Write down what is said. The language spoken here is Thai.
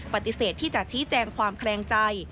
ปฏิเสธที่จะชี้แจงความแคลงใจ